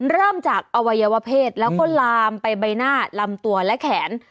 เริ่มจากอวัยวะเพศแล้วก็ลามไปใบหน้าลำตัวและแขน